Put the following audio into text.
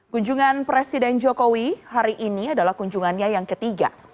kunjungan presiden jokowi hari ini adalah kunjungannya yang ketiga